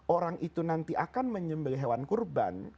orang itu nanti akan menyembeli hewan kurban